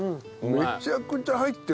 めちゃくちゃ入ってる。